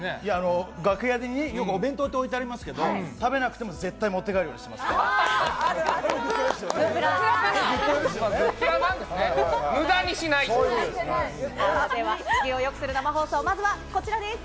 楽屋によくお弁当って置いてありますけど、食べなくても絶対持って帰るようにしてます。